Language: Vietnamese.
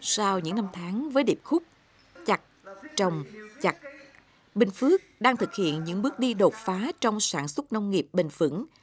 sau những năm tháng với điệp khúc chặt trồng chặt bình phước đang thực hiện những bước đi đột phá trong sản xuất nông nghiệp bền vững